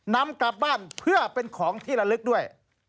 นำกลับบ้านเพื่อเป็นของที่ละลึกด้วย